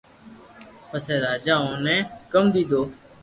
پسي راجا اوني ھڪم ديدو